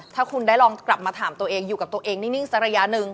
ถ้าคุณได้ลองกลับมาถามตัวเองอยู่กับตัวเองนิ่งสักระยะหนึ่ง